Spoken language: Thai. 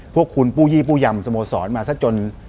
พวกคุณผู้ยี่ผู้ยำสโมสรมาซะจน